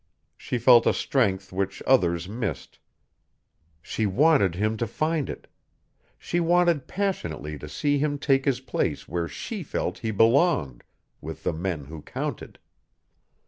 She felt a strength which others missed; she wanted him to find it; she wanted passionately to see him take his place where she felt he belonged, with the men who counted.